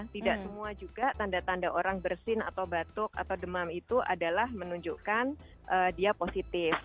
tidak semua juga tanda tanda orang bersin atau batuk atau demam itu adalah menunjukkan dia positif